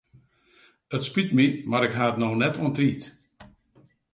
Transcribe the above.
It spyt my mar ik ha it no net oan tiid.